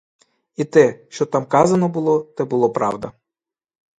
І те, що там казано було, те була правда.